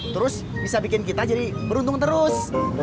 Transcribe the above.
terus bisa bikin kita jadi beruntung terus